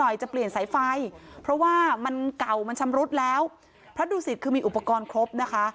จะเปลี่ยนสายไฟเพราะว่ามันเก่ามันชำรุดแล้วพระดูสิตคือมีอุปกรณ์ครบนะคะ